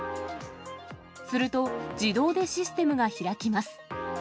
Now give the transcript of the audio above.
すると、自動でシステムが開きます。